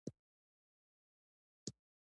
د خلکو ځواک ته پکې کتل شوي دي.